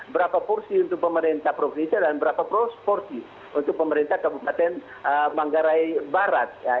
berapa porsi untuk pemerintah provinsi dan berapa porsi untuk pemerintah kabupaten manggarai barat